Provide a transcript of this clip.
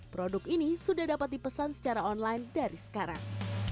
produk ini sudah dapat dipesan secara online dari sekarang